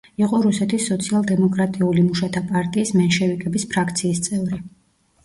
იყო რუსეთის სოციალ-დემოკრატიული მუშათა პარტიის „მენშევიკების“ ფრაქციის წევრი.